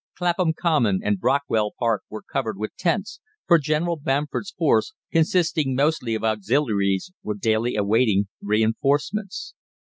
Clapham Common and Brockwell Park were covered with tents, for General Bamford's force, consisting mostly of auxiliaries, were daily awaiting reinforcements.